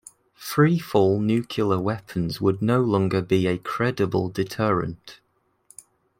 Free-fall nuclear weapons would no longer be a credible deterrent.